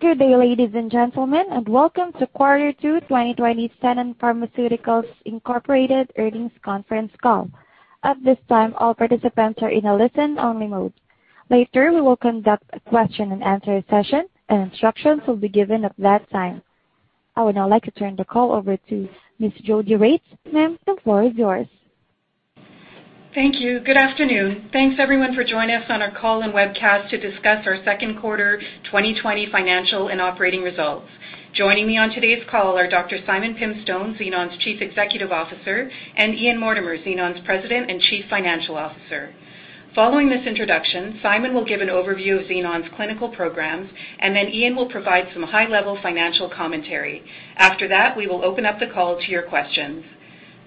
Good day, ladies and gentlemen, welcome to Quarter 2 2020 Xenon Pharmaceuticals Inc. earnings conference call. At this time, all participants are in a listen-only mode. Later, we will conduct a question and answer session, instructions will be given at that time. I would now like to turn the call over to Miss Jodi Regts. Ma'am, the floor is yours. Thank you. Good afternoon. Thanks everyone for joining us on our call and webcast to discuss our second quarter 2020 financial and operating results. Joining me on today's call are Dr. Simon Pimstone, Xenon's Chief Executive Officer, and Ian Mortimer, Xenon's President and Chief Financial Officer. Following this introduction, Simon will give an overview of Xenon's clinical programs, and then Ian will provide some high-level financial commentary. After that, we will open up the call to your questions.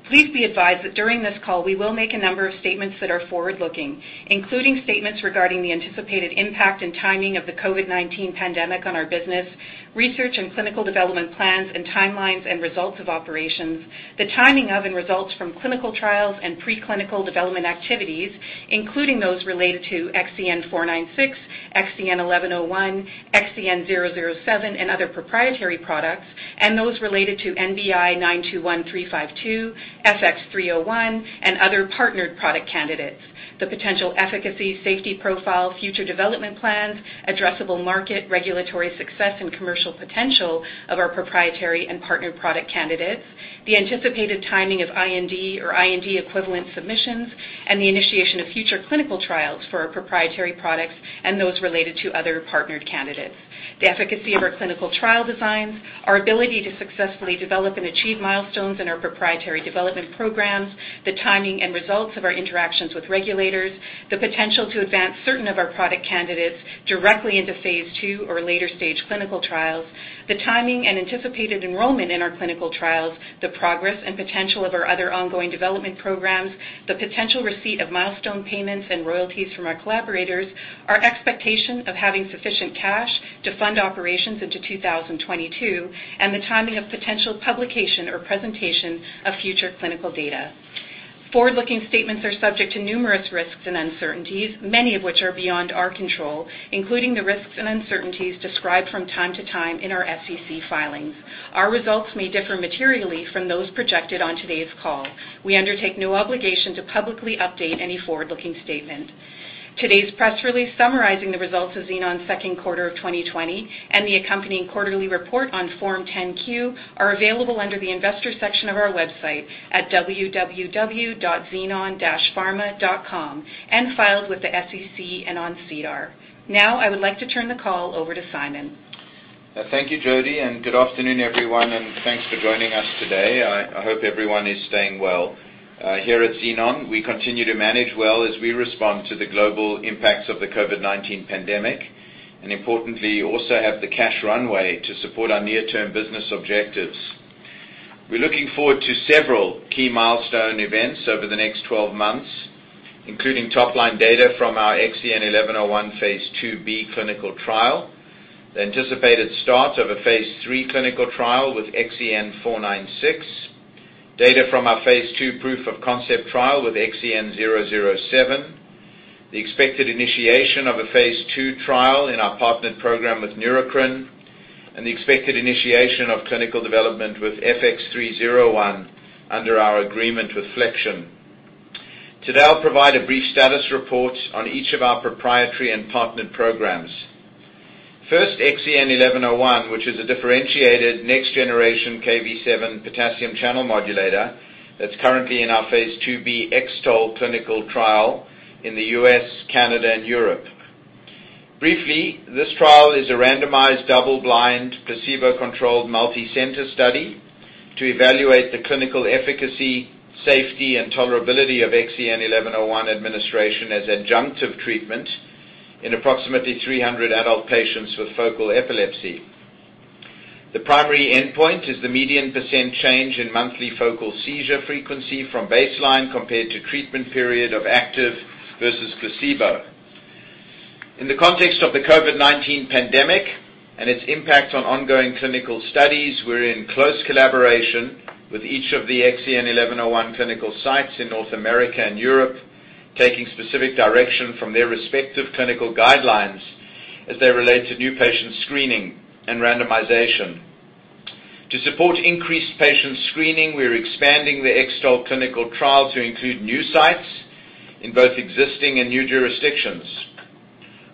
Please be advised that during this call, we will make a number of statements that are forward-looking, including statements regarding the anticipated impact and timing of the COVID-19 pandemic on our business, research and clinical development plans and timelines and results of operations, the timing of and results from clinical trials and preclinical development activities, including those related to XEN496, XEN1101, XEN007, and other proprietary products, and those related to NBI-921352, FX301, and other partnered product candidates. The potential efficacy, safety profile, future development plans, addressable market, regulatory success, and commercial potential of our proprietary and partnered product candidates. The anticipated timing of IND or IND equivalent submissions and the initiation of future clinical trials for our proprietary products and those related to other partnered candidates. The efficacy of our clinical trial designs, our ability to successfully develop and achieve milestones in our proprietary development programs, the timing and results of our interactions with regulators, the potential to advance certain of our product candidates directly into phase II or later-stage clinical trials, the timing and anticipated enrollment in our clinical trials, the progress and potential of our other ongoing development programs, the potential receipt of milestone payments and royalties from our collaborators, our expectation of having sufficient cash to fund operations into 2022, and the timing of potential publication or presentation of future clinical data. Forward-looking statements are subject to numerous risks and uncertainties, many of which are beyond our control, including the risks and uncertainties described from time to time in our SEC filings. Our results may differ materially from those projected on today's call. We undertake no obligation to publicly update any forward-looking statement. Today's press release summarizing the results of Xenon's second quarter of 2020 and the accompanying quarterly report on Form 10-Q are available under the investor section of our website at www.xenon-pharma.com and filed with the SEC and on SEDAR. I would like to turn the call over to Simon. Thank you, Jodi. Good afternoon, everyone, thanks for joining us today. I hope everyone is staying well. Here at Xenon, we continue to manage well as we respond to the global impacts of the COVID-19 pandemic, importantly, also have the cash runway to support our near-term business objectives. We're looking forward to several key milestone events over the next 12 months, including top-line data from our XEN1101 phase IIb clinical trial, the anticipated start of a phase III clinical trial with XEN496, data from our phase II proof of concept trial with XEN007, the expected initiation of a phase II trial in our partnered program with Neurocrine, the expected initiation of clinical development with FX301 under our agreement with Flexion. Today, I'll provide a brief status report on each of our proprietary and partnered programs. XEN1101, which is a differentiated next-generation Kv7 potassium channel modulator that's currently in our phase IIb X-TOLE clinical trial in the U.S., Canada, and Europe. This trial is a randomized, double-blind, placebo-controlled, multi-center study to evaluate the clinical efficacy, safety, and tolerability of XEN1101 administration as adjunctive treatment in approximately 300 adult patients with focal epilepsy. The primary endpoint is the median percent change in monthly focal seizure frequency from baseline compared to treatment period of active versus placebo. In the context of the COVID-19 pandemic and its impact on ongoing clinical studies, we're in close collaboration with each of the XEN1101 clinical sites in North America and Europe, taking specific direction from their respective clinical guidelines as they relate to new patient screening and randomization. To support increased patient screening, we're expanding the X-TOLE clinical trial to include new sites in both existing and new jurisdictions.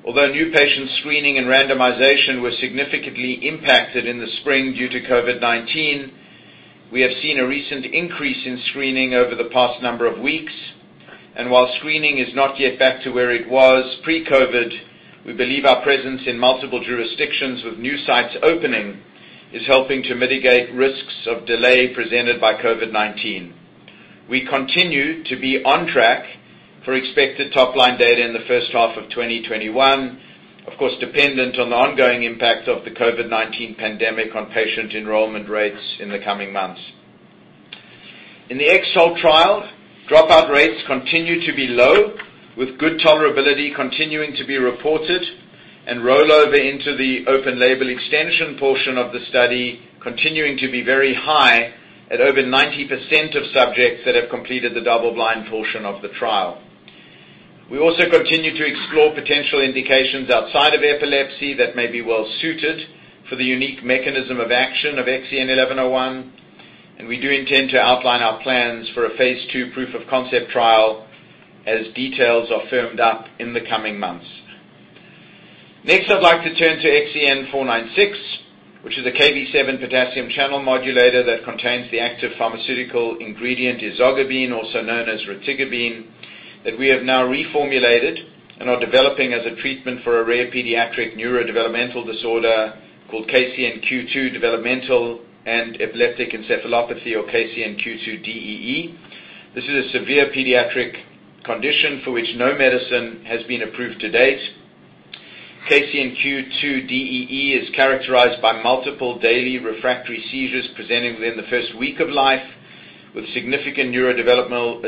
Although new patient screening and randomization were significantly impacted in the spring due to COVID-19, we have seen a recent increase in screening over the past number of weeks. While screening is not yet back to where it was pre-COVID, we believe our presence in multiple jurisdictions with new sites opening is helping to mitigate risks of delay presented by COVID-19. We continue to be on track for expected top-line data in the first half of 2021, of course, dependent on the ongoing impact of the COVID-19 pandemic on patient enrollment rates in the coming months. In the X-TOLE trial, dropout rates continue to be low, with good tolerability continuing to be reported, and rollover into the open label extension portion of the study continuing to be very high at over 90% of subjects that have completed the double-blind portion of the trial. We also continue to explore potential indications outside of epilepsy that may be well-suited for the unique mechanism of action of XEN1101, and we do intend to outline our plans for a phase II proof of concept trial as details are firmed up in the coming months. Next, I'd like to turn to XEN496, which is a Kv7 potassium channel modulator that contains the active pharmaceutical ingredient ezogabine, also known as retigabine, that we have now reformulated and are developing as a treatment for a rare pediatric neurodevelopmental disorder called KCNQ2 developmental and epileptic encephalopathy, or KCNQ2 DEE. This is a severe pediatric condition for which no medicine has been approved to date. KCNQ2 DEE is characterized by multiple daily refractory seizures presenting within the first week of life, with significant neurodevelopmental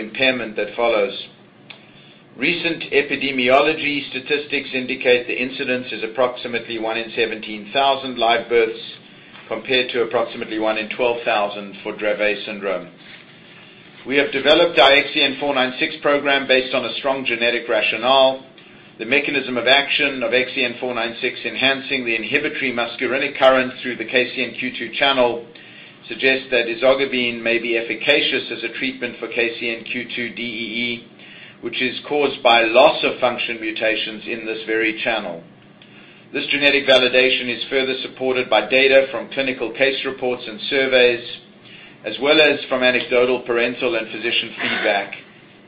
impairment that follows. Recent epidemiology statistics indicate the incidence is approximately one in 17,000 live births, compared to approximately one in 12,000 for Dravet syndrome. We have developed our XEN496 program based on a strong genetic rationale. The mechanism of action of XEN496 enhancing the inhibitory muscarinic current through the KCNQ2 channel suggests that ezogabine may be efficacious as a treatment for KCNQ2 DEE, which is caused by loss-of-function mutations in this very channel. This genetic validation is further supported by data from clinical case reports and surveys, as well as from anecdotal parental and physician feedback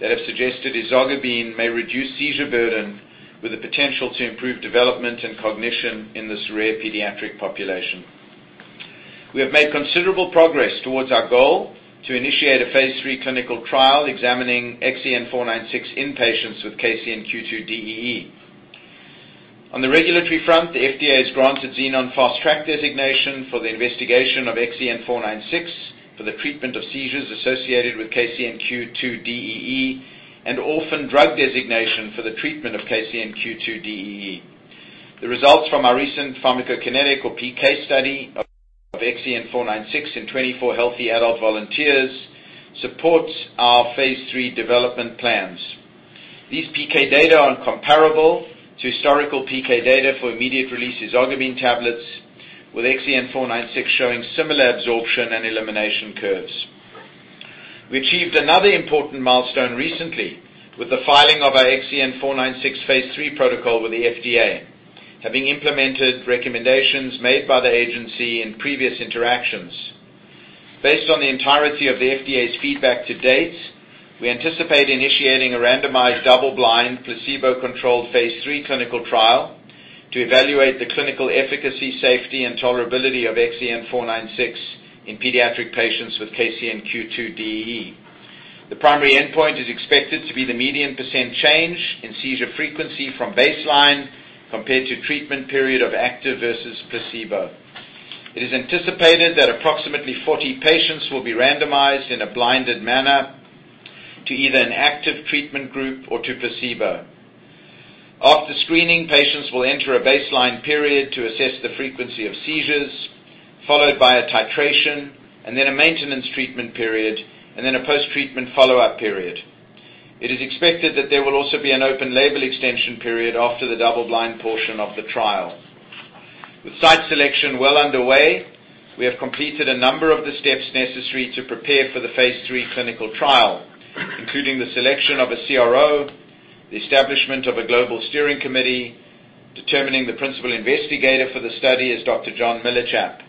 that have suggested ezogabine may reduce seizure burden with the potential to improve development and cognition in this rare pediatric population. We have made considerable progress towards our goal to initiate a phase III clinical trial examining XEN496 in patients with KCNQ2 DEE. On the regulatory front, the FDA has granted Xenon Fast Track designation for the investigation of XEN496 for the treatment of seizures associated with KCNQ2 DEE, and Orphan Drug Designation for the treatment of KCNQ2 DEE. The results from our recent pharmacokinetic, or PK, study of XEN496 in 24 healthy adult volunteers supports our phase III development plans. These PK data are comparable to historical PK data for immediate-release ezogabine tablets, with XEN496 showing similar absorption and elimination curves. We achieved another important milestone recently with the filing of our XEN496 phase III protocol with the FDA, having implemented recommendations made by the agency in previous interactions. Based on the entirety of the FDA's feedback to date, we anticipate initiating a randomized, double-blind, placebo-controlled phase III clinical trial to evaluate the clinical efficacy, safety, and tolerability of XEN496 in pediatric patients with KCNQ2 DEE. The primary endpoint is expected to be the median % change in seizure frequency from baseline compared to treatment period of active versus placebo. It is anticipated that approximately 40 patients will be randomized in a blinded manner to either an active treatment group or to placebo. After screening, patients will enter a baseline period to assess the frequency of seizures, followed by a titration, and then a maintenance treatment period, and then a post-treatment follow-up period. It is expected that there will also be an open-label extension period after the double-blind portion of the trial. With site selection well underway, we have completed a number of the steps necessary to prepare for the phase III clinical trial, including the selection of a CRO, the establishment of a global steering committee, determining the principal investigator for the study as Dr. John Millichap.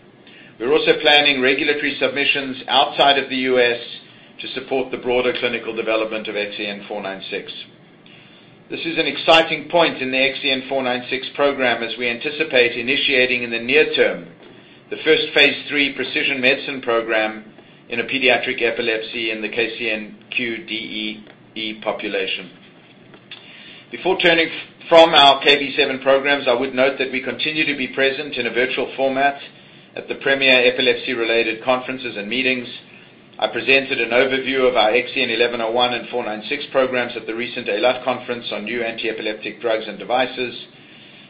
We're also planning regulatory submissions outside of the U.S. to support the broader clinical development of XEN496. This is an exciting point in the XEN496 program as we anticipate initiating in the near term the first phase III precision medicine program in a pediatric epilepsy in the KCNQ2 DEE population. Before turning from our Kv7 programs, I would note that we continue to be present in a virtual format at the premier epilepsy-related conferences and meetings. I presented an overview of our XEN1101 and 496 programs at the recent EILAT conference on new antiepileptic drugs and devices,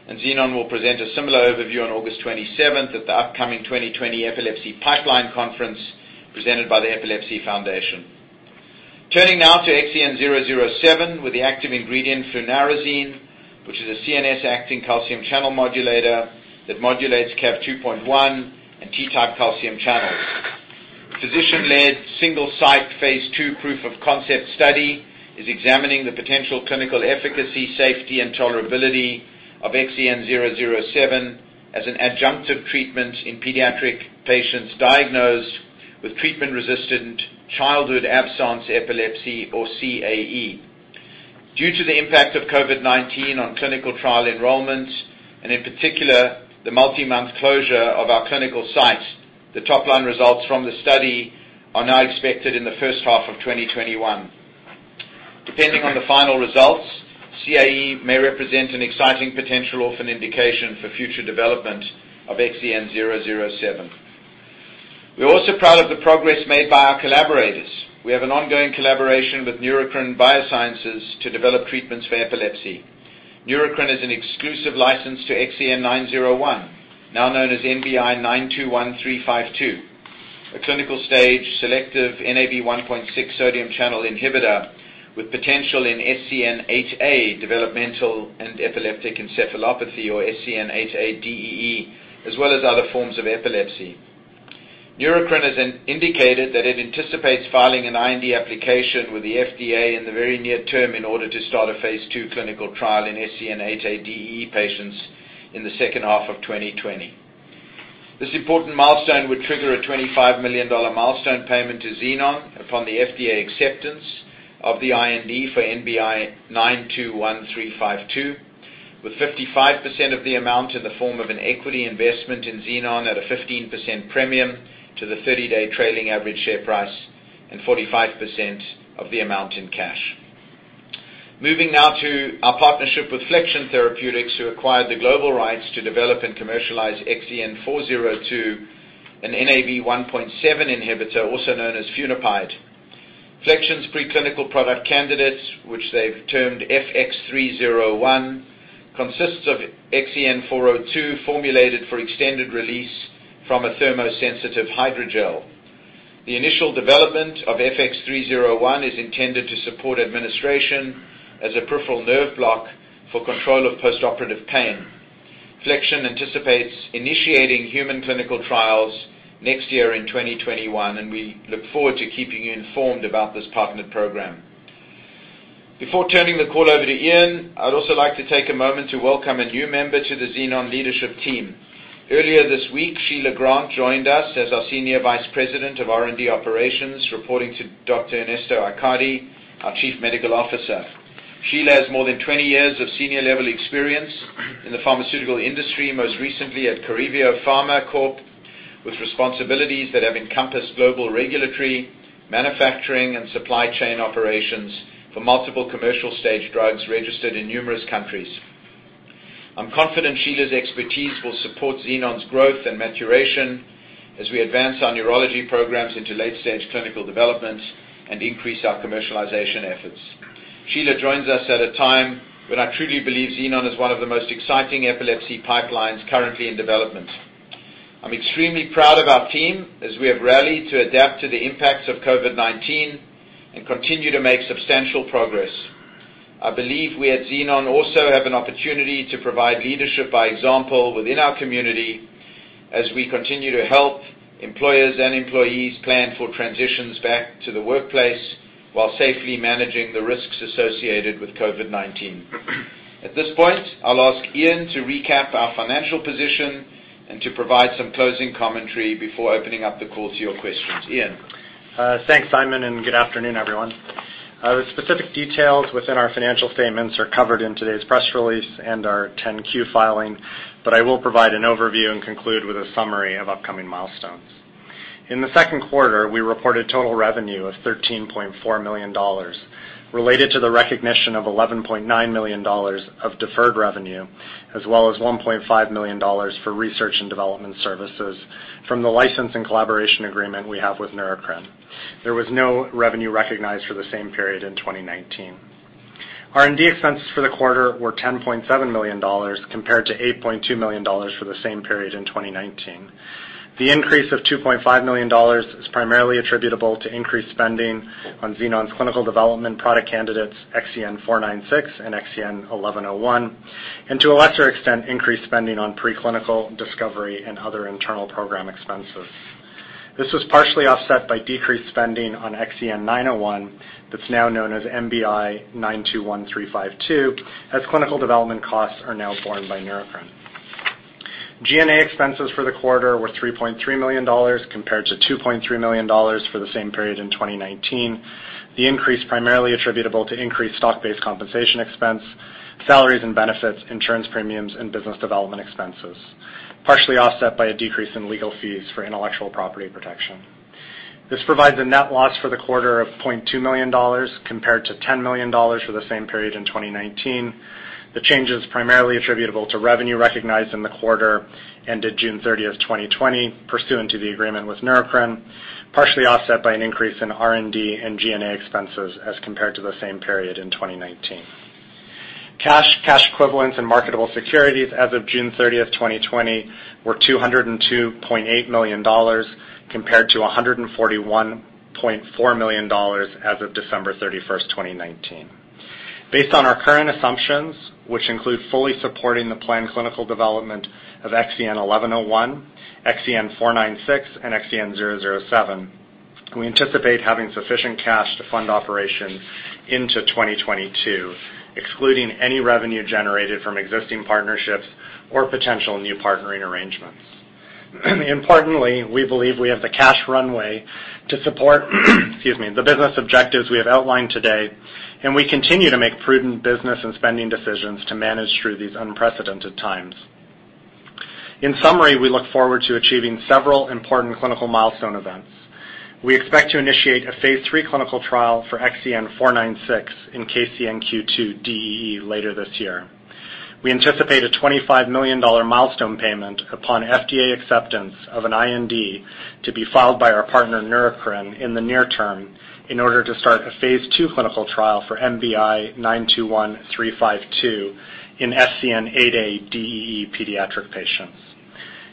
and Xenon will present a similar overview on August 27th at the upcoming 2020 Epilepsy Pipeline Conference presented by the Epilepsy Foundation. Turning now to XEN007 with the active ingredient flunarizine, which is a CNS acting calcium channel modulator that modulates Cav2.1 and T-type calcium channels. Physician-led, single-site, phase II proof of concept study is examining the potential clinical efficacy, safety, and tolerability of XEN007 as an adjunctive treatment in pediatric patients diagnosed with treatment-resistant childhood absence epilepsy, or CAE. Due to the impact of COVID-19 on clinical trial enrollments, and in particular, the multi-month closure of our clinical sites, the top-line results from the study are now expected in the first half of 2021. Depending on the final results, CAE may represent an exciting potential orphan indication for future development of XEN007. We're also proud of the progress made by our collaborators. We have an ongoing collaboration with Neurocrine Biosciences to develop treatments for epilepsy. Neurocrine is an exclusive license to XEN901, now known as NBI-921352, a clinical stage selective NaV1.6 sodium channel inhibitor with potential in SCN8A developmental and epileptic encephalopathy, or SCN8A-DEE, as well as other forms of epilepsy. Neurocrine has indicated that it anticipates filing an IND application with the FDA in the very near term in order to start a phase II clinical trial in SCN8A-DEE patients in the second half of 2020. This important milestone would trigger a $25 million milestone payment to Xenon upon the FDA acceptance of the IND for NBI-921352, with 55% of the amount in the form of an equity investment in Xenon at a 15% premium to the 30-day trailing average share price and 45% of the amount in cash. Moving now to our partnership with Flexion Therapeutics, who acquired the global rights to develop and commercialize XEN402, an NaV1.7 inhibitor, also known as funapide. Flexion's pre-clinical product candidates, which they've termed FX301, consists of XEN402 formulated for extended release from a thermosensitive hydrogel. The initial development of FX301 is intended to support administration as a peripheral nerve block for control of postoperative pain. Flexion anticipates initiating human clinical trials next year in 2021. We look forward to keeping you informed about this partnered program. Before turning the call over to Ian, I'd also like to take a moment to welcome a new member to the Xenon leadership team. Earlier this week, Sheila Grant joined us as our Senior Vice President of R&D Operations, reporting to Dr. Ernesto Aycardi, our Chief Medical Officer. Sheila has more than 20 years of senior-level experience in the pharmaceutical industry, most recently at Correvio Pharma Corp, with responsibilities that have encompassed global regulatory, manufacturing, and supply chain operations for multiple commercial-stage drugs registered in numerous countries. I'm confident Sheila's expertise will support Xenon's growth and maturation as we advance our neurology programs into late-stage clinical development and increase our commercialization efforts. Sheila joins us at a time when I truly believe Xenon is one of the most exciting epilepsy pipelines currently in development. I'm extremely proud of our team as we have rallied to adapt to the impacts of COVID-19 and continue to make substantial progress. I believe we at Xenon also have an opportunity to provide leadership by example within our community as we continue to help employers and employees plan for transitions back to the workplace while safely managing the risks associated with COVID-19. At this point, I'll ask Ian to recap our financial position and to provide some closing commentary before opening up the call to your questions. Ian? Thanks, Simon, good afternoon, everyone. The specific details within our financial statements are covered in today's press release and our 10Q filing. I will provide an overview and conclude with a summary of upcoming milestones. In the second quarter, we reported total revenue of $13.4 million related to the recognition of $11.9 million of deferred revenue, as well as $1.5 million for research and development services from the license and collaboration agreement we have with Neurocrine. There was no revenue recognized for the same period in 2019. R&D expenses for the quarter were $10.7 million, compared to $8.2 million for the same period in 2019. The increase of $2.5 million is primarily attributable to increased spending on Xenon's clinical development product candidates, XEN496 and XEN1101, and to a lesser extent, increased spending on pre-clinical discovery and other internal program expenses. This was partially offset by decreased spending on XEN901, that's now known as NBI-921352, as clinical development costs are now borne by Neurocrine. G&A expenses for the quarter were $3.3 million, compared to $2.3 million for the same period in 2019. The increase primarily attributable to increased stock-based compensation expense, salaries and benefits, insurance premiums, and business development expenses, partially offset by a decrease in legal fees for intellectual property protection. This provides a net loss for the quarter of $20.2 million, compared to $10 million for the same period in 2019. The change is primarily attributable to revenue recognized in the quarter ended June 30th, 2020, pursuant to the agreement with Neurocrine, partially offset by an increase in R&D and G&A expenses as compared to the same period in 2019. Cash, cash equivalents, and marketable securities as of June 30th, 2020, were $202.8 million compared to $141.4 million as of December 31st, 2019. Based on our current assumptions, which include fully supporting the planned clinical development of XEN1101, XEN496, and XEN007, we anticipate having sufficient cash to fund operations into 2022, excluding any revenue generated from existing partnerships or potential new partnering arrangements. Importantly, we believe we have the cash runway to support the business objectives we have outlined today, and we continue to make prudent business and spending decisions to manage through these unprecedented times. In summary, we look forward to achieving several important clinical milestone events. We expect to initiate a phase III clinical trial for XEN496 in KCNQ2-DEE later this year. We anticipate a $25 million milestone payment upon FDA acceptance of an IND to be filed by our partner, Neurocrine, in the near term in order to start a phase II clinical trial for NBI-921352 in SCN8A-DEE pediatric patients.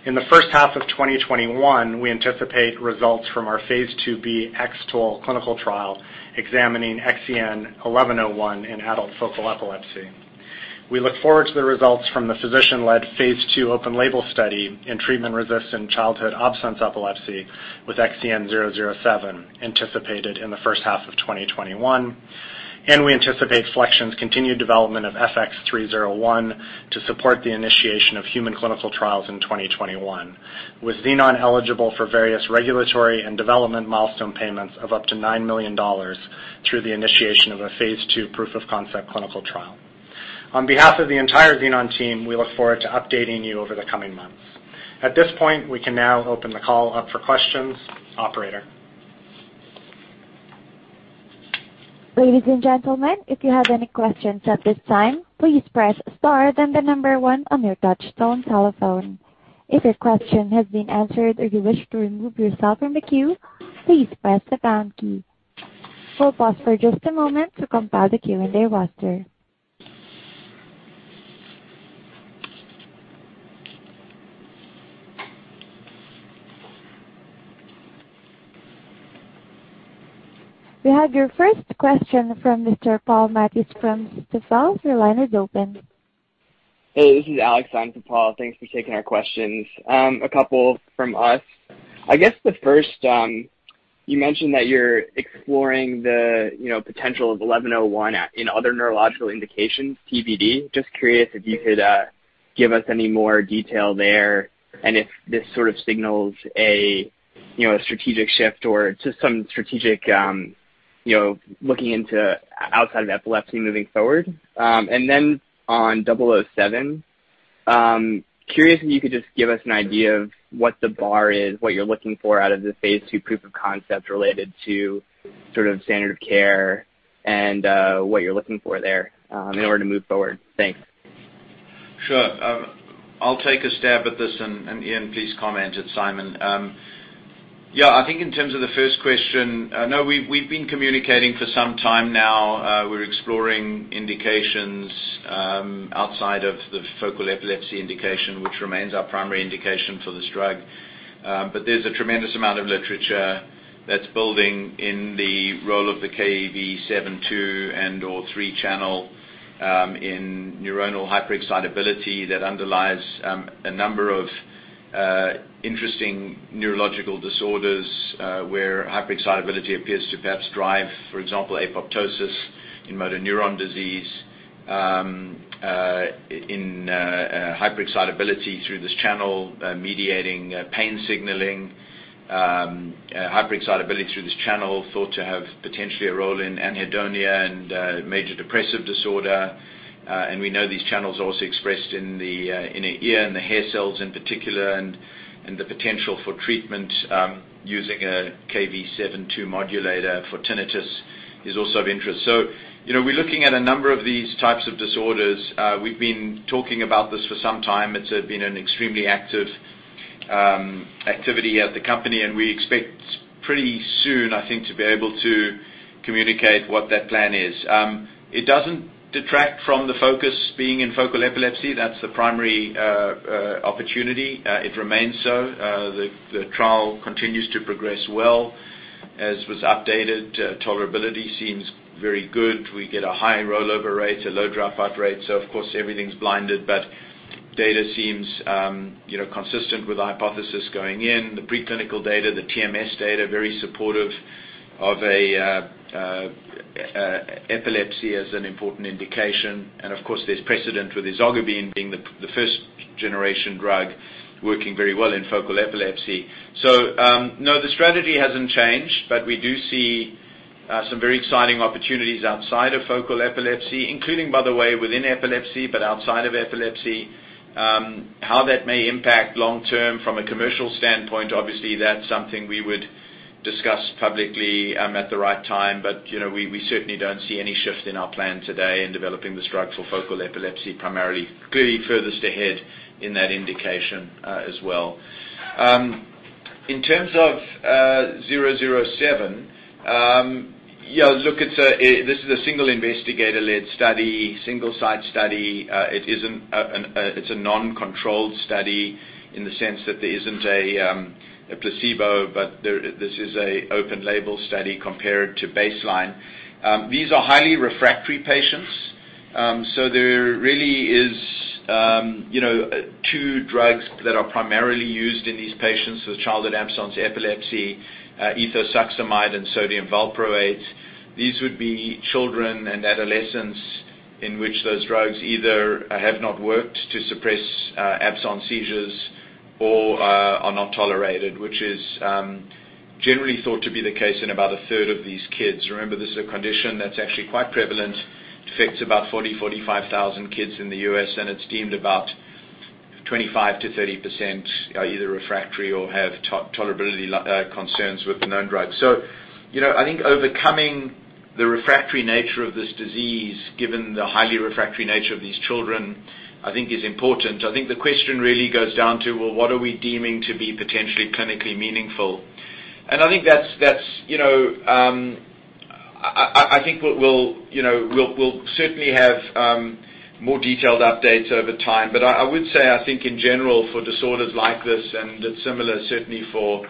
In the first half of 2021, we anticipate results from our phase IIb X-TOLE clinical trial examining XEN1101 in adult focal epilepsy. We look forward to the results from the physician-led phase II open label study in treatment-resistant childhood absence epilepsy with XEN007, anticipated in the first half of 2021. We anticipate Flexion's continued development of FX301 to support the initiation of human clinical trials in 2021, with Xenon eligible for various regulatory and development milestone payments of up to $9 million through the initiation of a phase II proof of concept clinical trial. On behalf of the entire Xenon team, we look forward to updating you over the coming months. At this point, we can now open the call up for questions. Operator. We'll pause for just a moment to compile the queue and then answer. We have your first question from Mr. Paul Matteis from Jefferies. Your line is open. Hey, this is Alex. Simon Paul. Thanks for taking our questions. A couple from us. I guess the first, you mentioned that you're exploring the potential of XEN1101 in other neurological indications, TBD. Just curious if you could give us any more detail there and if this sort of signals a strategic shift or just some strategic looking into outside of epilepsy moving forward. Then on XEN007, curious if you could just give us an idea of what the bar is, what you're looking for out of the phase II proof of concept related to sort of standard of care and what you're looking for there in order to move forward. Thanks. Sure. I'll take a stab at this, Ian, please comment, its Simon. I think in terms of the first question, I know we've been communicating for some time now. We're exploring indications outside of the focal epilepsy indication, which remains our primary indication for this drug. There's a tremendous amount of literature that's building in the role of the Kv7.2 and/or 3 channel in neuronal hyperexcitability that underlies a number of interesting neurological disorders where hyperexcitability appears to perhaps drive, for example, apoptosis in motor neuron disease, in hyperexcitability through this channel, mediating pain signaling. Hyperexcitability through this channel thought to have potentially a role in anhedonia and major depressive disorder. We know these channels are also expressed in the inner ear and the hair cells in particular, and the potential for treatment using a Kv7.2 modulator for tinnitus is also of interest. We're looking at a number of these types of disorders. We've been talking about this for some time. It's been an extremely active activity at the company. We expect pretty soon, I think, to be able to communicate what that plan is. It doesn't detract from the focus being in focal epilepsy. That's the primary opportunity. It remains so. The trial continues to progress well. As was updated, tolerability seems very good. We get a high rollover rate, a low dropout rate. Of course everything's blinded. Data seems consistent with the hypothesis going in. The preclinical data, the TMS data, very supportive of epilepsy as an important indication. Of course, there's precedent with ezogabine being the first generation drug working very well in focal epilepsy. No, the strategy hasn't changed, but we do see some very exciting opportunities outside of focal epilepsy, including, by the way, within epilepsy, but outside of epilepsy. How that may impact long term from a commercial standpoint, obviously, that's something we would discuss publicly at the right time. We certainly don't see any shift in our plan today in developing this drug for focal epilepsy primarily. Clearly furthest ahead in that indication as well. In terms of XEN007, look, this is a single investigator-led study, single-site study. It's a non-controlled study in the sense that there isn't a placebo, but this is a open label study compared to baseline. These are highly refractory patients. There really is two drugs that are primarily used in these patients with childhood absence epilepsy, ethosuximide and sodium valproate. These would be children and adolescents in which those drugs either have not worked to suppress absence seizures or are not tolerated, which is generally thought to be the case in about a third of these kids. Remember, this is a condition that's actually quite prevalent. It affects about 40,000, 45,000 kids in the U.S., and it's deemed about 25%-30% are either refractory or have tolerability concerns with the known drugs. I think overcoming the refractory nature of this disease, given the highly refractory nature of these children, I think is important. I think the question really goes down to, well, what are we deeming to be potentially clinically meaningful? I think we'll certainly have more detailed updates over time. I would say, I think in general for disorders like this, and it's similar certainly for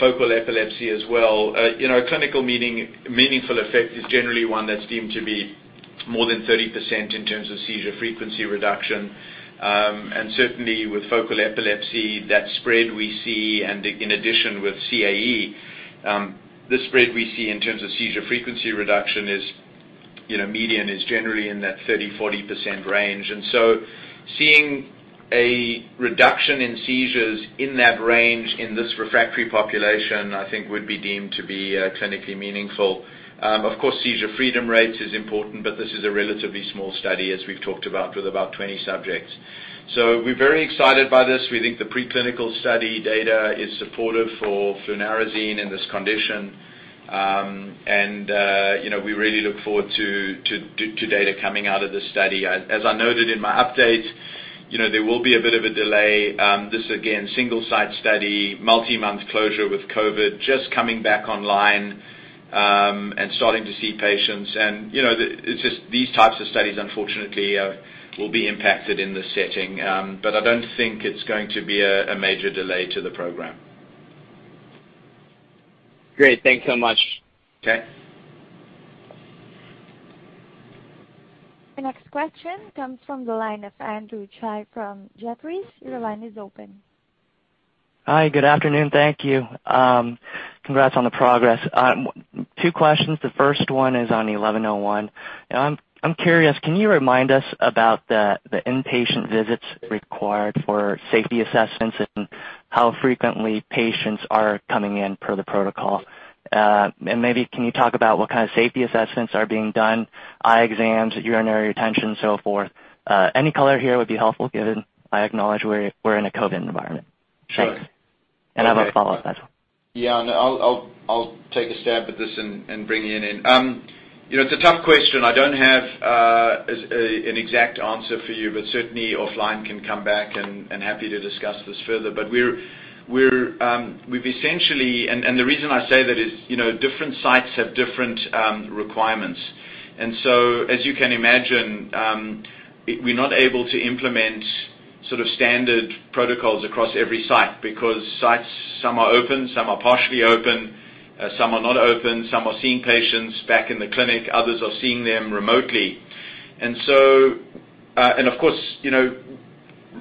focal epilepsy as well, a clinical meaningful effect is generally one that's deemed to be more than 30% in terms of seizure frequency reduction. Certainly with focal epilepsy, that spread we see, and in addition with CAE, the spread we see in terms of seizure frequency reduction is median is generally in that 30%-40% range. Seeing a reduction in seizures in that range in this refractory population, I think would be deemed to be clinically meaningful. Of course, seizure freedom rates is important, but this is a relatively small study, as we've talked about, with about 20 subjects. We're very excited by this. We think the preclinical study data is supportive for flunarizine in this condition. We really look forward to data coming out of this study. As I noted in my update, there will be a bit of a delay. This, again, single-site study, multi-month closure with COVID, just coming back online, and starting to see patients. It's just these types of studies, unfortunately, will be impacted in this setting. I don't think it's going to be a major delay to the program. Great. Thanks so much. Okay. The next question comes from the line of Andrew Tsai from Jefferies. Your line is open. Hi, good afternoon. Thank you. Congrats on the progress. two questions. The first one is on XEN1101. I'm curious, can you remind us about the inpatient visits required for safety assessments and how frequently patients are coming in per the protocol? Maybe can you talk about what kind of safety assessments are being done, eye exams, urinary retention, so forth? Any color here would be helpful given I acknowledge we're in a COVID-19 environment. Sure. Thanks. I have a follow-up as well. Yeah, no. I'll take a stab at this and bring Ian in. It's a tough question. I don't have an exact answer for you, but certainly offline can come back and happy to discuss this further. We've essentially. The reason I say that is, different sites have different requirements. As you can imagine, we're not able to implement sort of standard protocols across every site because sites, some are open, some are partially open, some are not open, some are seeing patients back in the clinic, others are seeing them remotely. Of course,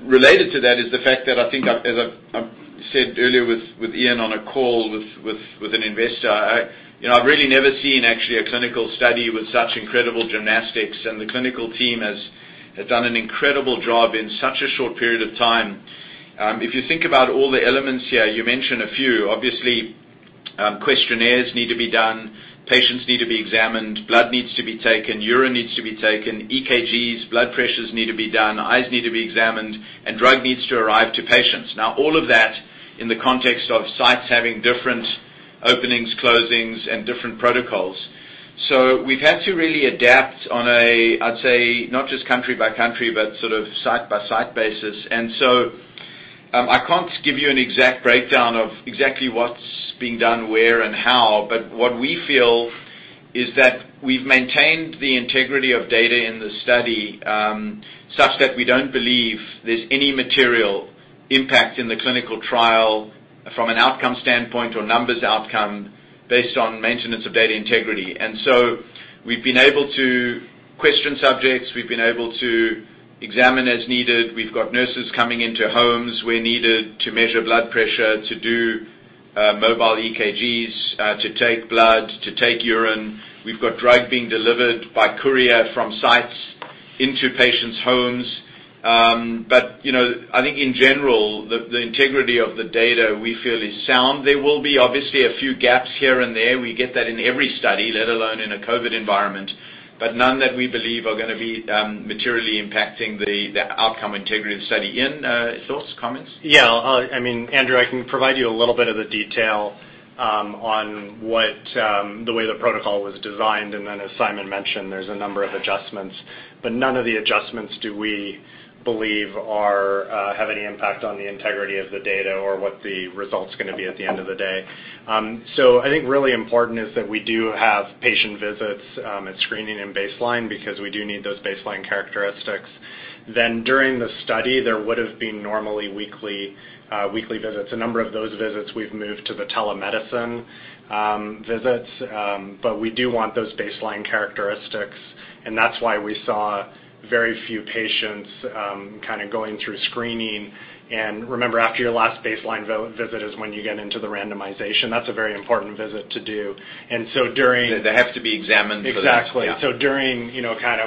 related to that is the fact that I think as I've said earlier with Ian on a call with an investor, I've really never seen actually a clinical study with such incredible gymnastics and the clinical team has done an incredible job in such a short period of time. If you think about all the elements here, you mentioned a few. Obviously, questionnaires need to be done, patients need to be examined, blood needs to be taken, urine needs to be taken, EKGs, blood pressures need to be done, eyes need to be examined, and drug needs to arrive to patients. All of that in the context of sites having different openings, closings, and different protocols. We've had to really adapt on a, I'd say, not just country by country, but sort of site-by-site basis. I can't give you an exact breakdown of exactly what's being done where and how, but what we feel is that we've maintained the integrity of data in the study such that we don't believe there's any material impact in the clinical trial from an outcome standpoint or numbers outcome based on maintenance of data integrity. We've been able to question subjects. We've been able to examine as needed. We've got nurses coming into homes where needed to measure blood pressure, to do mobile EKGs, to take blood, to take urine. We've got drug being delivered by courier from sites into patients' homes. I think in general, the integrity of the data we feel is sound. There will be obviously a few gaps here and there. We get that in every study, let alone in a COVID environment, but none that we believe are going to be materially impacting the outcome integrity of the study. Ian, thoughts, comments? Yeah. Andrew Tsai, I can provide you a little bit of the detail on the way the protocol was designed. As Simon mentioned, there's a number of adjustments, but none of the adjustments do we believe have any impact on the integrity of the data or what the result's going to be at the end of the day. I think really important is that we do have patient visits at screening and baseline because we do need those baseline characteristics. During the study, there would've been normally weekly visits. A number of those visits we've moved to the telemedicine visits. We do want those baseline characteristics, and that's why we saw very few patients going through screening. Remember, after your last baseline visit is when you get into the randomization. That's a very important visit to do. They have to be examined for. Exactly. Yeah. During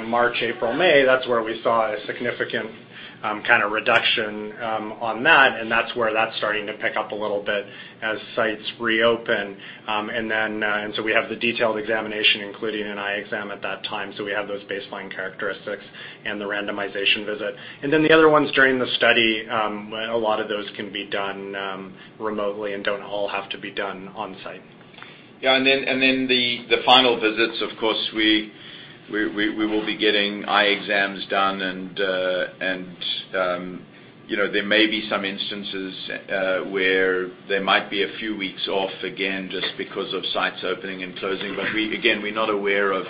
March, April, May, that's where we saw a significant reduction on that, and that's where that's starting to pick up a little bit as sites reopen. We have the detailed examination, including an eye exam at that time. We have those baseline characteristics and the randomization visit. The other ones during the study, a lot of those can be done remotely and don't all have to be done on-site. Yeah. Then the final visits, of course, we will be getting eye exams done. There may be some instances where there might be a few weeks off again just because of sites opening and closing. Again, we're not aware of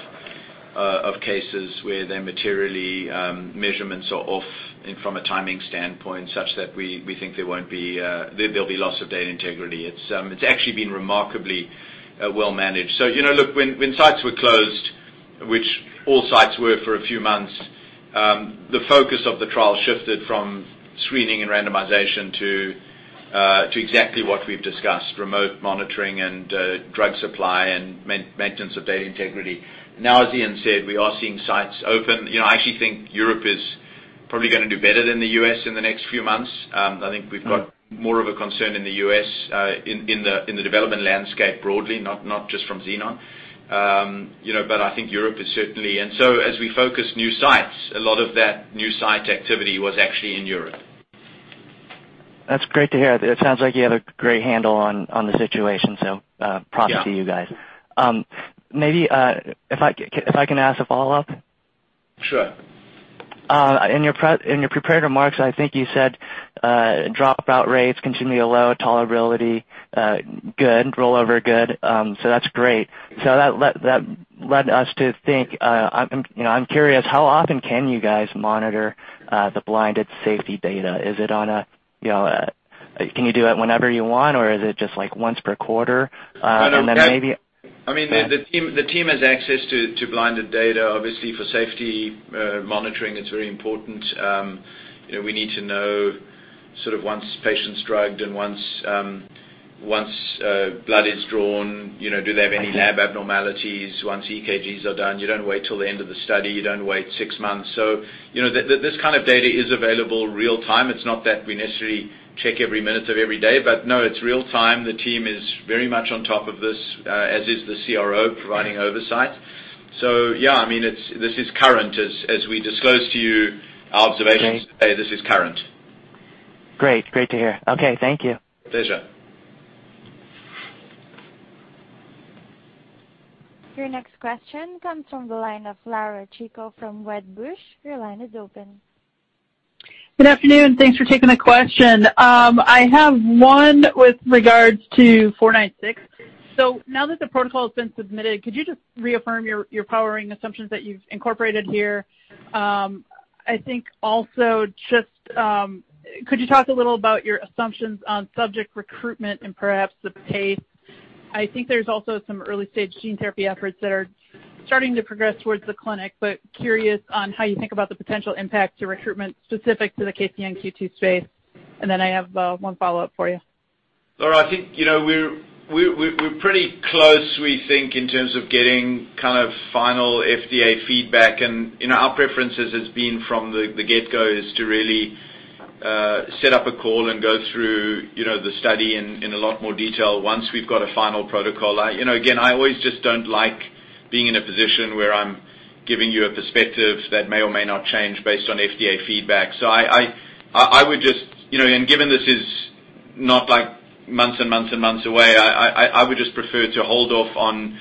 cases where their material measurements are off and from a timing standpoint such that we think there'll be loss of data integrity. It's actually been remarkably well-managed. Look, when sites were closed, which all sites were for a few months, the focus of the trial shifted from screening and randomization to exactly what we've discussed, remote monitoring and drug supply and maintenance of data integrity. Now, as Ian said, we are seeing sites open. I actually think Europe is probably going to do better than the U.S. in the next few months. I think we've got more of a concern in the U.S. in the development landscape broadly, not just from Xenon. I think Europe is certainly, as we focus new sites, a lot of that new site activity was actually in Europe. That's great to hear. It sounds like you have a great handle on the situation. Yeah to you guys. Maybe if I can ask a follow-up. Sure. In your prepared remarks, I think you said dropout rates continue to be low, tolerability good, rollover good. That's great. That led us to think, I'm curious, how often can you guys monitor the blinded safety data? Can you do it whenever you want, or is it just once per quarter? I mean, the team has access to blinded data. Obviously, for safety monitoring, it's very important. We need to know sort of once patient's drugged and once blood is drawn, do they have any lab abnormalities once EKGs are done? You don't wait till the end of the study. You don't wait six months. This kind of data is available real-time. It's not that we necessarily check every minute of every day, but no, it's real-time. The team is very much on top of this, as is the CRO providing oversight. Yeah, this is current. As we disclose to you our observations today, this is current. Great to hear. Okay, thank you. Pleasure. Your next question comes from the line of Laura Chico from Wedbush. Your line is open. Good afternoon. Thanks for taking the question. I have one with regards to XEN496. Now that the protocol has been submitted, could you just reaffirm your powering assumptions that you've incorporated here? I think also just could you talk a little about your assumptions on subject recruitment and perhaps the pace? I think there's also some early-stage gene therapy efforts that are starting to progress towards the clinic, but curious on how you think about the potential impact to recruitment specific to the KCNQ2 space. Then I have one follow-up for you. Laura, I think we're pretty close, we think, in terms of getting final FDA feedback. Our preference has been from the get-go is to really set up a call and go through the study in a lot more detail once we've got a final protocol. Again, I always just don't like being in a position where I'm giving you a perspective that may or may not change based on FDA feedback. Given this is not months and months away, I would just prefer to hold off on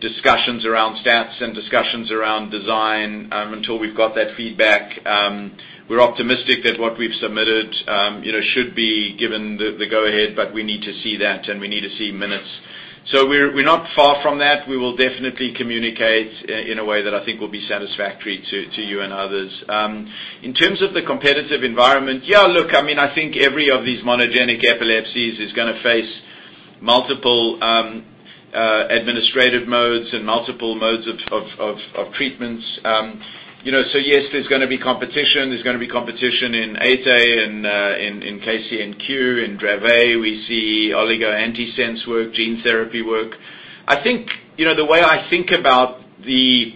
discussions around stats and discussions around design until we've got that feedback. We're optimistic that what we've submitted should be given the go-ahead. We need to see that. We need to see minutes. We're not far from that. We will definitely communicate in a way that I think will be satisfactory to you and others. In terms of the competitive environment, yeah, look, I think every of these monogenic epilepsies is going to face multiple administrative modes and multiple modes of treatments. Yes, there's going to be competition. There's going to be competition in SCN8A, in KCNQ, in Dravet. We see oligo antisense work, gene therapy work. The way I think about the,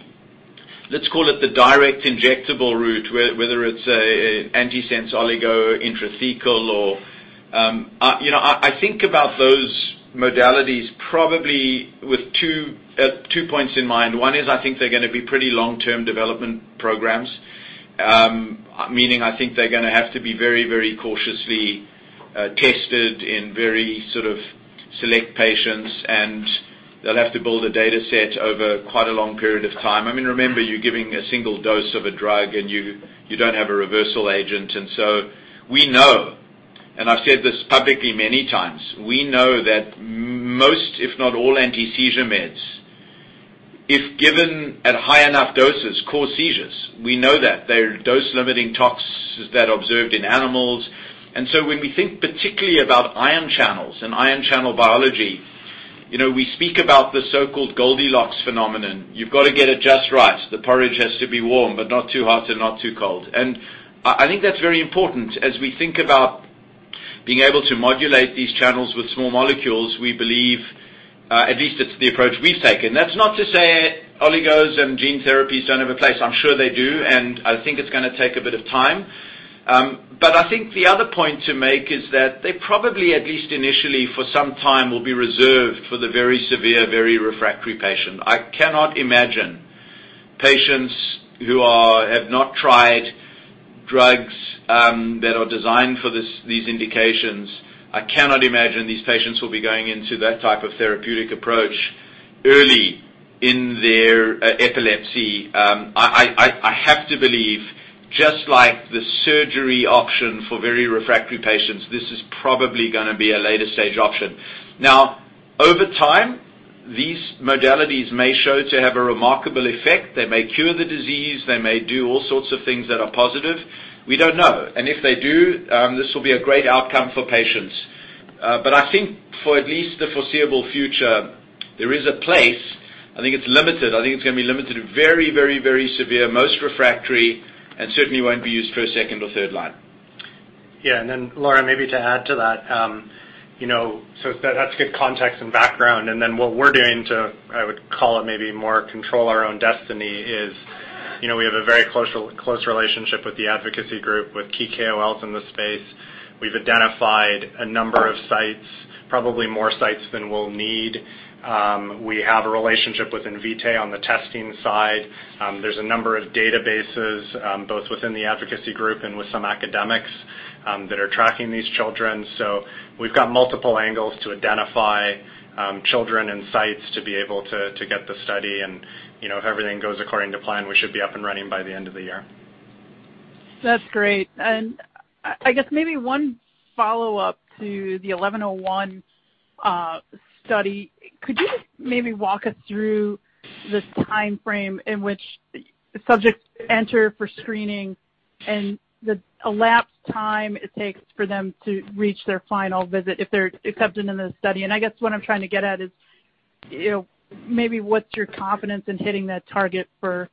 let's call it the direct injectable route, whether it's a antisense oligo, intrathecal, I think about those modalities probably with two points in mind. One is, I think they're going to be pretty long-term development programs, meaning I think they're going to have to be very cautiously tested in very sort of select patients, and they'll have to build a data set over quite a long period of time. Remember, you're giving a single dose of a drug, and you don't have a reversal agent. We know, and I've said this publicly many times, we know that most, if not all, anti-seizure meds, if given at high enough doses, cause seizures. We know that. They're dose-limiting tox that observed in animals. When we think particularly about ion channels and ion channel biology, we speak about the so-called Goldilocks phenomenon. You've got to get it just right. The porridge has to be warm, but not too hot and not too cold. I think that's very important as we think about being able to modulate these channels with small molecules, we believe at least it's the approach we've taken. That's not to say oligos and gene therapies don't have a place. I'm sure they do, and I think it's going to take a bit of time. I think the other point to make is that they probably, at least initially for some time, will be reserved for the very severe, very refractory patient. I cannot imagine patients who have not tried drugs that are designed for these indications. I cannot imagine these patients will be going into that type of therapeutic approach early in their epilepsy. I have to believe, just like the surgery option for very refractory patients, this is probably going to be a later-stage option. Over time, these modalities may show to have a remarkable effect. They may cure the disease. They may do all sorts of things that are positive. We don't know. If they do, this will be a great outcome for patients. I think for at least the foreseeable future, there is a place. I think it's limited. I think it's going to be limited to very severe, most refractory, and certainly won't be used for a second or third line. Yeah. Laura, maybe to add to that. That's good context and background, what we're doing to, I would call it maybe more control our own destiny is, we have a very close relationship with the advocacy group with key KOLs in the space. We've identified a number of sites, probably more sites than we'll need. We have a relationship with Invitae on the testing side. There's a number of databases, both within the advocacy group and with some academics that are tracking these children. We've got multiple angles to identify children and sites to be able to get the study. If everything goes according to plan, we should be up and running by the end of the year. That's great. I guess maybe one follow-up to the XEN1101 study. Could you just maybe walk us through the timeframe in which the subjects enter for screening and the elapsed time it takes for them to reach their final visit if they're accepted into the study? I guess what I'm trying to get at is, maybe what's your confidence in hitting that target for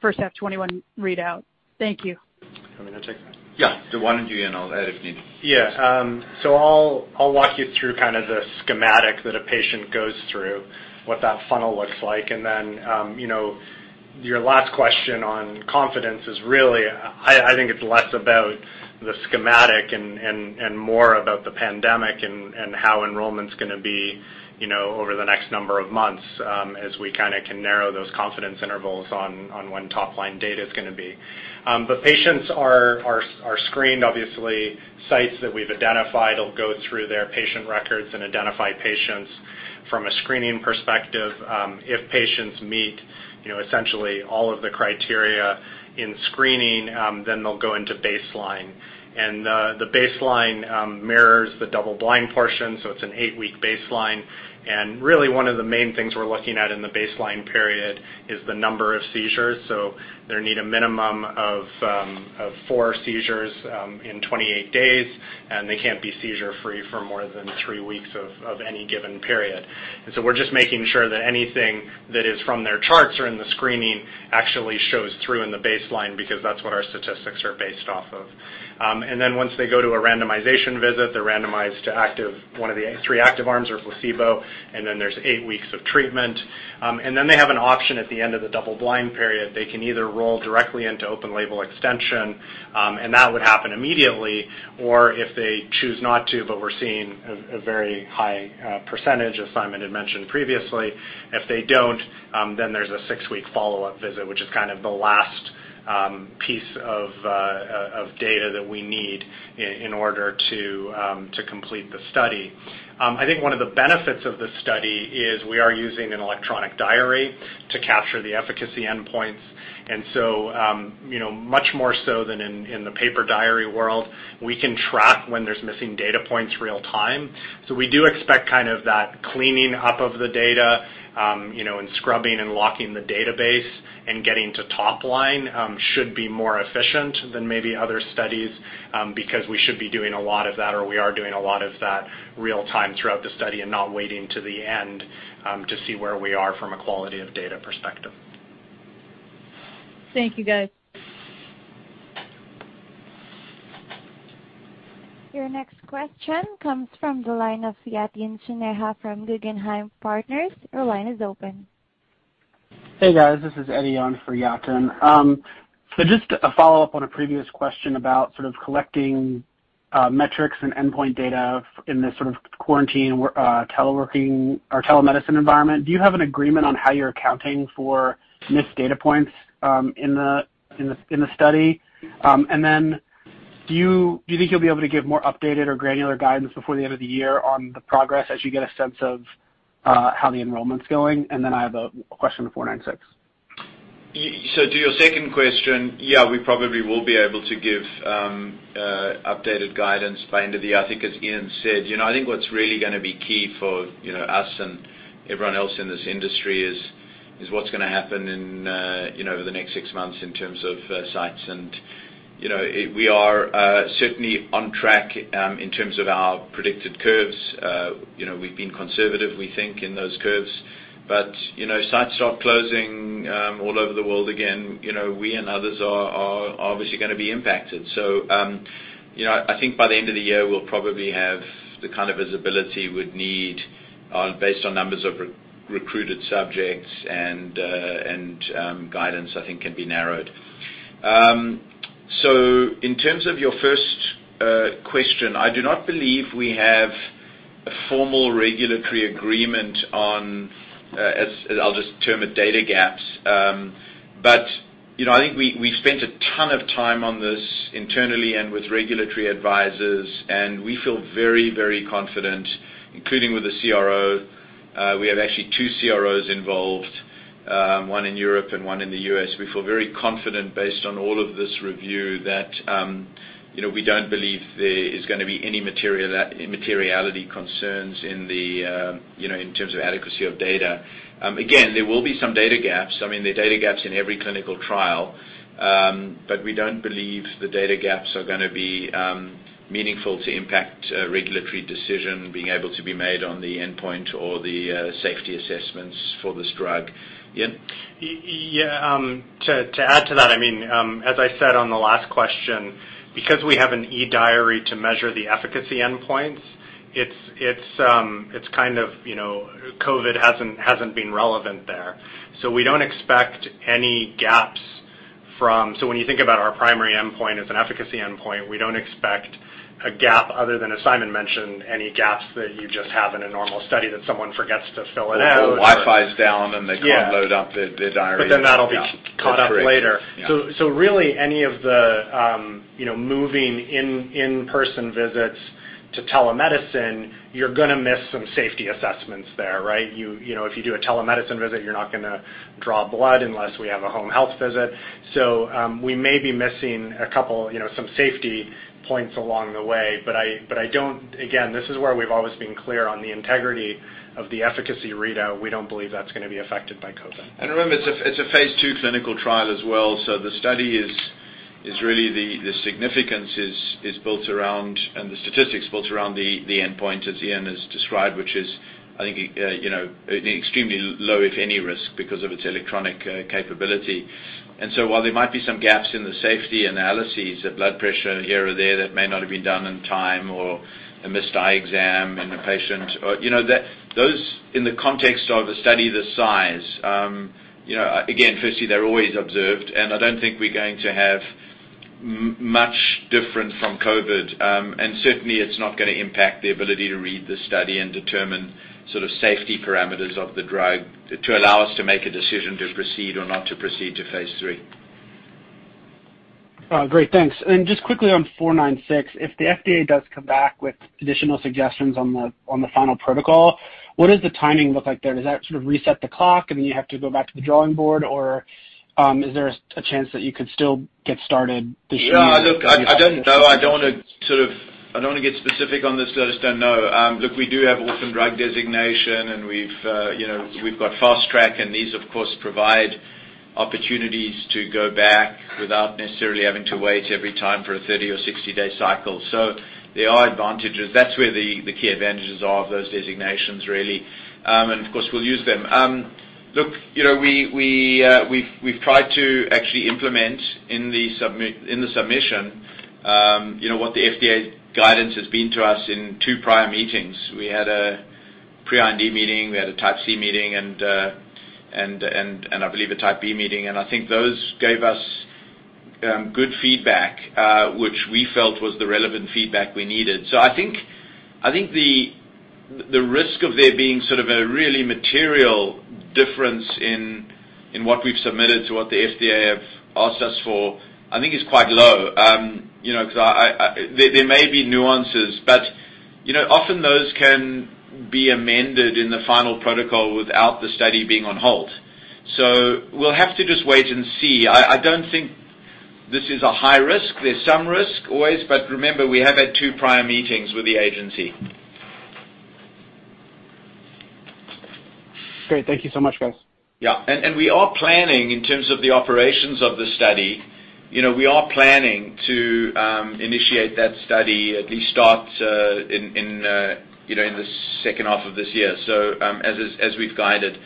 first half 2021 readout? Thank you. You want me to take that? Yeah. Why don't you, Ian, I'll add if need be. Yeah. I'll walk you through the schematic that a patient goes through, what that funnel looks like. Your last question on confidence is really, I think it's less about the schematic and more about the pandemic and how enrollment's going to be over the next number of months, as we can narrow those confidence intervals on when top-line data's going to be. Patients are screened, obviously. Sites that we've identified will go through their patient records and identify patients from a screening perspective. If patients meet essentially all of the criteria in screening, they'll go into baseline. The baseline mirrors the double-blind portion, so it's an eight-week baseline. Really one of the main things we're looking at in the baseline period is the number of seizures. They need a minimum of four seizures in 28 days, and they can't be seizure-free for more than three weeks of any given period. We're just making sure that anything that is from their charts or in the screening actually shows through in the baseline because that's what our statistics are based off of. Once they go to a randomization visit, they're randomized to one of the three active arms or placebo, then there's eight weeks of treatment. They have an option at the end of the double-blind period. They can either roll directly into open label extension, and that would happen immediately. If they choose not to, but we're seeing a very high percentage, as Simon had mentioned previously. If they don't, then there's a six-week follow-up visit, which is the last piece of data that we need in order to complete the study. I think one of the benefits of this study is we are using an eDiary to capture the efficacy endpoints. Much more so than in the paper diary world, we can track when there's missing data points real-time. We do expect that cleaning up of the data and scrubbing and locking the database and getting to top line should be more efficient than maybe other studies, because we should be doing a lot of that, or we are doing a lot of that real-time throughout the study and not waiting to the end to see where we are from a quality of data perspective. Thank you, guys. Your next question comes from the line of Yatin Suneja from Guggenheim Partners. Your line is open. Hey, guys, this is Eddie on for Yatin. Just a follow-up on a previous question about sort of collecting metrics and endpoint data in this sort of quarantine teleworking or telemedicine environment. Do you have an agreement on how you're accounting for missed data points in the study? Do you think you'll be able to give more updated or granular guidance before the end of the year on the progress as you get a sense of how the enrollment's going? I have a question on 496. To your second question, yeah, we probably will be able to give updated guidance by end of the year. I think as Ian said, I think what's really going to be key for us and everyone else in this industry is what's going to happen over the next six months in terms of sites. We are certainly on track in terms of our predicted curves. We've been conservative, we think, in those curves. Sites start closing all over the world again, we and others are obviously going to be impacted. I think by the end of the year, we'll probably have the kind of visibility we'd need based on numbers of recruited subjects and guidance I think can be narrowed. In terms of your first question, I do not believe we have a formal regulatory agreement on, I'll just term it data gaps. I think we spent a ton of time on this internally and with regulatory advisors, and we feel very, very confident, including with the CRO. We have actually two CROs involved, one in Europe and one in the U.S. We feel very confident based on all of this review that we don't believe there is going to be any materiality concerns in terms of adequacy of data. Again, there will be some data gaps. There are data gaps in every clinical trial. We don't believe the data gaps are going to be meaningful to impact a regulatory decision being able to be made on the endpoint or the safety assessments for this drug. Ian? Yeah. To add to that, as I said on the last question, because we have an eDiary to measure the efficacy endpoints, COVID hasn't been relevant there. We don't expect any gaps when you think about our primary endpoint as an efficacy endpoint, we don't expect a gap other than, as Simon mentioned, any gaps that you just have in a normal study that someone forgets to fill it out. Wi-Fi's down and they can't load up the diary. That'll be caught up later. Yeah. Really any of the moving in-person visits to telemedicine, you're going to miss some safety assessments there, right? If you do a telemedicine visit, you're not going to draw blood unless we have a home health visit. We may be missing some safety points along the way, but again, this is where we've always been clear on the integrity of the efficacy readout. We don't believe that's going to be affected by COVID. Remember, it's a phase II clinical trial as well, so the study is really the significance is built around, and the statistics built around the endpoint as Ian has described, which is, I think, extremely low, if any risk because of its electronic capability. While there might be some gaps in the safety analyses of blood pressure here or there that may not have been done in time or a missed eye exam in a patient, those in the context of a study this size, again, firstly, they're always observed, and I don't think we're going to have much different from COVID-19. Certainly, it's not going to impact the ability to read the study and determine safety parameters of the drug to allow us to make a decision to proceed or not to proceed to phase III. Great. Thanks. Just quickly on XEN496, if the FDA does come back with additional suggestions on the final protocol, what does the timing look like there? Does that sort of reset the clock and then you have to go back to the drawing board, or is there a chance that you could still get started this year? Look, I don't know. I don't want to get specific on this. I just don't know. Look, we do have Orphan Drug Designation, and we've got Fast Track designation, and these, of course, provide opportunities to go back without necessarily having to wait every time for a 30- or 60-day cycle. There are advantages. That's where the key advantages are of those designations, really. Of course, we'll use them. Look, we've tried to actually implement in the submission what the FDA guidance has been to us in two prior meetings. We had a pre-IND meeting, we had a Type C meeting, and I believe a Type B meeting. I think those gave us good feedback, which we felt was the relevant feedback we needed. I think the risk of there being sort of a really material difference in what we've submitted to what the FDA have asked us for, I think is quite low. There may be nuances, but often those can be amended in the final protocol without the study being on halt. We'll have to just wait and see. I don't think this is a high risk. There's some risk always, but remember, we have had two prior meetings with the agency. Great. Thank you so much, guys. Yeah. We are planning, in terms of the operations of the study, we are planning to initiate that study, at least start in the second half of this year. As we've guided.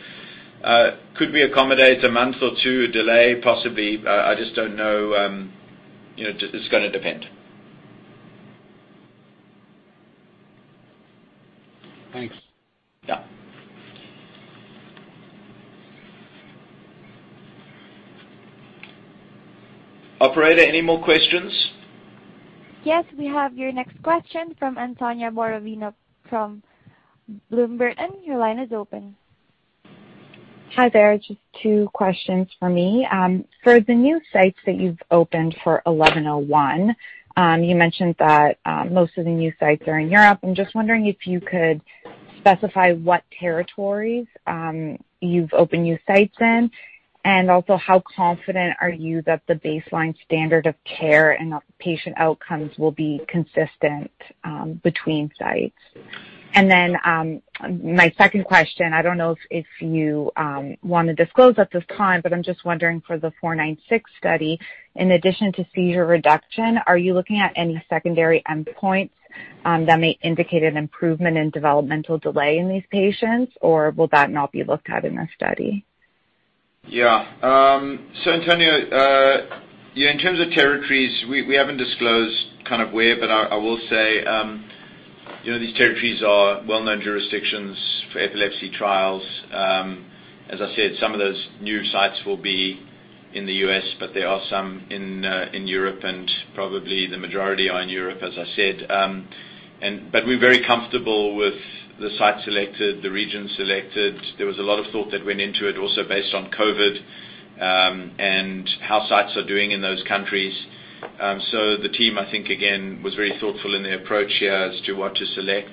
Could we accommodate a month or two delay? Possibly. I just don't know. It's going to depend. Thanks. Yeah. Operator, any more questions? Yes, we have your next question from Antonia Borovina from Bloom Burton. Your line is open. Hi there. Just two questions for me. For the new sites that you've opened for XEN1101, you mentioned that most of the new sites are in Europe. I'm just wondering if you could specify what territories you've opened new sites in, and also how confident are you that the baseline standard of care and patient outcomes will be consistent between sites. My second question, I don't know if you want to disclose at this time, but I'm just wondering for the XEN496 study, in addition to seizure reduction, are you looking at any secondary endpoints that may indicate an improvement in developmental delay in these patients, or will that not be looked at in the study? Antonia, in terms of territories, we haven't disclosed where, I will say these territories are well-known jurisdictions for epilepsy trials. As I said, some of those new sites will be in the U.S., there are some in Europe, probably the majority are in Europe, as I said. We're very comfortable with the site selected, the region selected. There was a lot of thought that went into it also based on COVID, and how sites are doing in those countries. The team, I think, again, was very thoughtful in their approach as to what to select.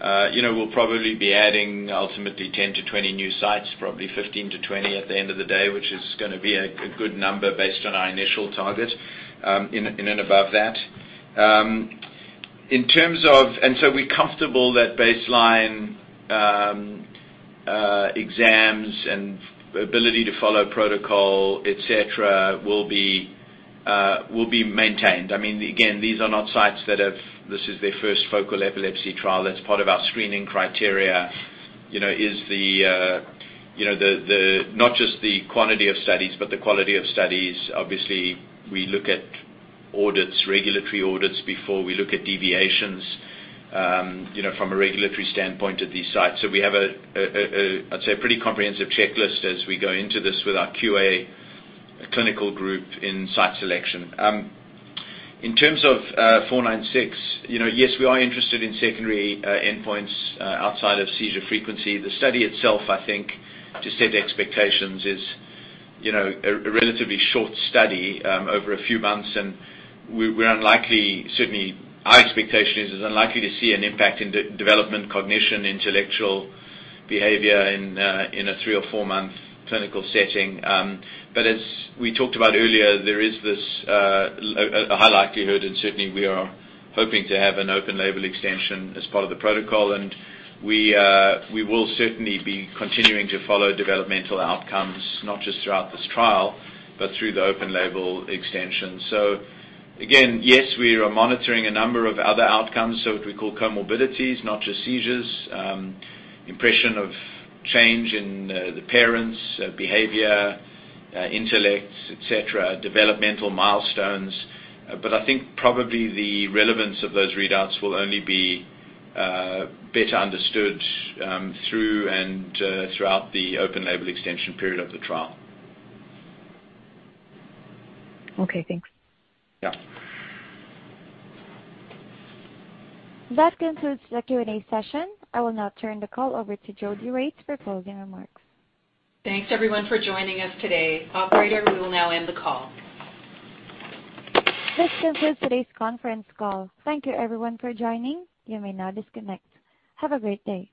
We'll probably be adding ultimately 10-20 new sites, probably 15-20 at the end of the day, which is going to be a good number based on our initial target in and above that. We're comfortable that baseline exams and ability to follow protocol, et cetera, will be maintained. Again, these are not sites that this is their first focal epilepsy trial. That's part of our screening criteria, not just the quantity of studies, but the quality of studies. Obviously, we look at regulatory audits before we look at deviations from a regulatory standpoint at these sites. We have, I'd say, a pretty comprehensive checklist as we go into this with our QA clinical group in site selection. In terms of XEN496, yes, we are interested in secondary endpoints outside of seizure frequency. The study itself, I think to set expectations, is a relatively short study over a few months, and certainly our expectation is it's unlikely to see an impact in development, cognition, intellectual behavior in a three or four-month clinical setting. As we talked about earlier, there is a high likelihood, and certainly we are hoping to have an open label extension as part of the protocol. We will certainly be continuing to follow developmental outcomes, not just throughout this trial, but through the open label extension. Again, yes, we are monitoring a number of other outcomes, what we call comorbidities, not just seizures, impression of change in the parents' behavior, intellect, et cetera, developmental milestones. I think probably the relevance of those readouts will only be better understood through and throughout the open label extension period of the trial. Okay, thanks. Yeah. That concludes the Q&A session. I will now turn the call over to Jodi Regts for closing remarks. Thanks, everyone, for joining us today. Operator, we will now end the call. This concludes today's conference call. Thank you everyone for joining. You may now disconnect. Have a great day.